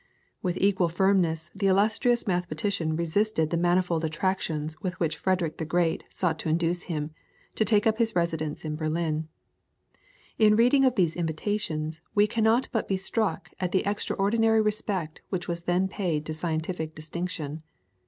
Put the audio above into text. With equal firmness the illustrious mathematician resisted the manifold attractions with which Frederick the Great sought to induce him, to take up his residence at Berlin. In reading of these invitations we cannot but be struck at the extraordinary respect which was then paid to scientific distinction.